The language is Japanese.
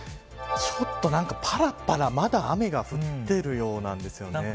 ちょっとぱらぱらまだ雨が降っているようなんです。